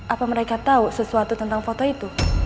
apa mereka tahu sesuatu tentang foto itu